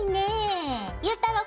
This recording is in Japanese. ゆうたろう